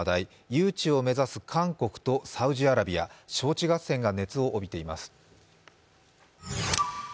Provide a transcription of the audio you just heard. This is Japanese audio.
誘致を目指す韓国とサウジアラビア、招致合戦が熱を帯びています。